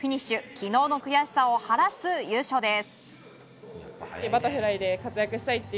昨日の悔しさを晴らす優勝です。